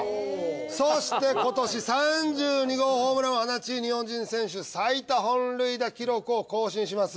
そして今年３２号ホームランを放ち日本人選手最多本塁打記録を更新します。